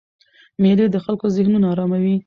مېلې د خلکو ذهنونه آراموي.